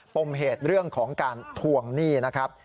ปมเหตุเรื่องของการทวงหนี้นะครับ